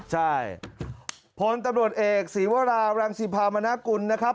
ใช่ผลตำรวจเอกสีวราวรังสีพาวมณกุลนะครับ